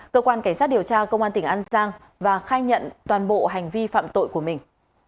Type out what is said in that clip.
cơ quan cảnh sát điều tra công an tỉnh an giang và khai nhận toàn bộ hành vi phạm tội của mình